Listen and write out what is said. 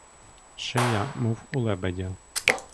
Шия — мов у лебедя.